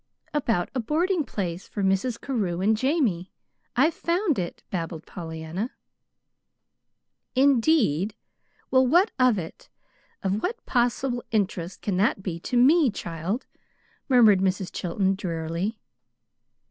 "About a boarding place for Mrs. Carew and Jamie. I've found it," babbled Pollyanna. "Indeed! Well, what of it? Of what possible interest can that be to me, child?" murmured Mrs. Chilton, drearily.